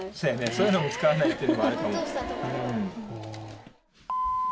そういうのも使わないっていうのはあるかも。